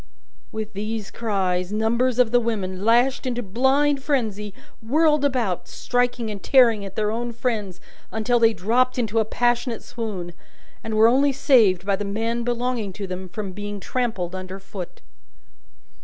With these cries, numbers of the women, lashed into blind frenzy, whirled about, striking and tearing at their own friends until they dropped into a passionate swoon, and were only saved by the men belonging to them from being trampled under foot.